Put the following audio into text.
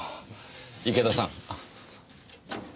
池田さん。